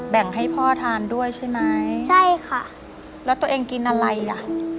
แบ่งให้พ่อทานด้วยใช่ไหมใช่ค่ะแล้วตัวเองกินอะไรอ่ะ